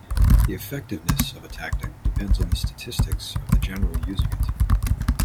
The effectiveness of a tactic depends on the statistics of the general using it.